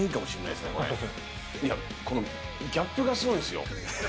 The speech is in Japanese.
いや、このギャップがすごいんですよ。